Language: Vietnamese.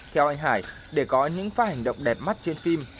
theo anh hải để có những pha hành động đẹp mắt trên phim